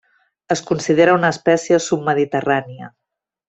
Es considera una espècie submediterrània.